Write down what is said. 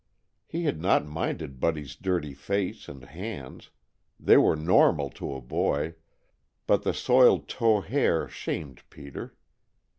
He had not minded Buddy's dirty face and hands they were normal to a boy but the soiled tow hair shamed Peter.